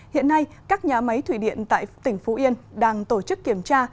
hiện nay các nhà máy thủy điện tại tỉnh phú yên đang tổ chức kiểm tra